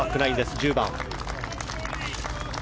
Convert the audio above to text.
１０番。